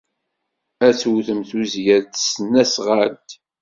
Ad d-tewtem tuzzya s tesnasɣalt.